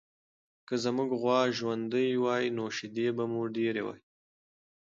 که زموږ غوا ژوندۍ وای، نو شیدې به مو ډېرې وای.